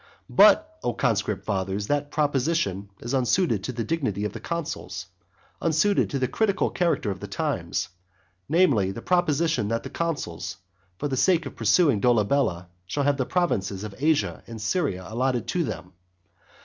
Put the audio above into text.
But, O conscript fathers, that proposition is unsuited to the dignity of the consuls, unsuited to the critical character of the times, namely, the proposition that the consuls, for the sake of pursuing Dolabella, shall have the provinces of Asia and Syria allotted to them.